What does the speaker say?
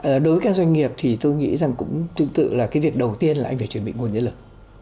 đối với các doanh nghiệp thì tôi nghĩ rằng cũng tương tự là cái việc đầu tiên là anh phải chuẩn bị nguồn nhân lực